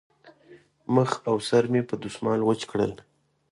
مخ او سر مې په دستمال وچ کړل.